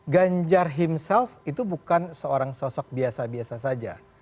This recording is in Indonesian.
ganjar himself itu bukan seorang sosok biasa biasa saja